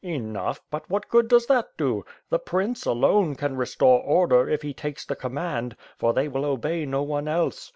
"Enough; but what good does that do? The prince, alone, can restore order, if he takes the command; for they will obey no one else.